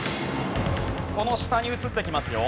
この下に映ってきますよ。